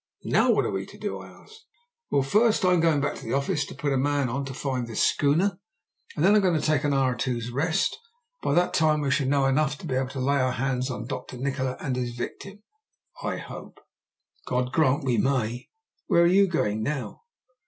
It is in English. "Now what are we to do?" I asked. "Well, first, I am going back to the office to put a man on to find this schooner, and then I'm going to take an hour or two's rest. By that time we shall know enough to be able to lay our hands on Dr. Nikola and his victim, I hope." "God grant we may!" "Where are you going now?"